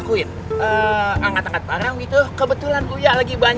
semoga berhasil zoom in